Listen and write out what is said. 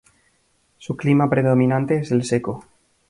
Su clima predominante es el seco.